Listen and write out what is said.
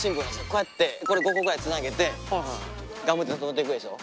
こうやってこれ５個ぐらいつなげてガムテで留めていくでしょ。